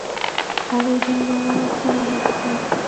هغوی د عدالت غوښتنه رد کړه.